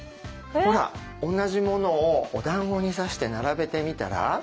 ほら同じものをおだんごに差して並べてみたら？